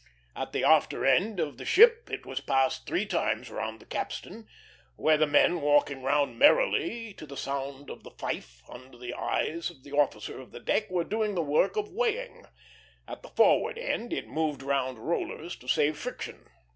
At the after end of the ship it was passed three times round the capstan, where the men walking round merrily to the sound of the fife, under the eyes of the officer of the deck, were doing the work of weighing; at the forward end it moved round rollers to save friction.